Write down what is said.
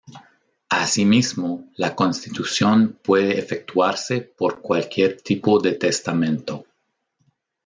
Asimismo la constitución puede efectuarse por cualquier tipo de testamento.